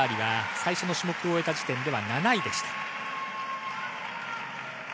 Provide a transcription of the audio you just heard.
最初の種目を終えた時点で７位でした。